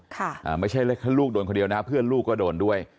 ค่ะอ่าไม่ใช่แค่ลูกโดนคนเดียวนะฮะเพื่อนลูกก็โดนด้วย